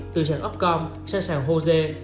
từ sàn opcom sang sàn hosea